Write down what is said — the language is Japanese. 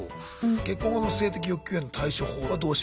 結婚後の性的欲求への対処法はどうしますかとか。